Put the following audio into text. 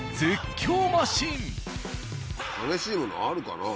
激しいものあるかな。